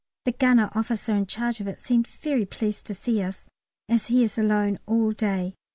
The gunner officer in charge of it seemed very pleased to see us, as he is alone all day.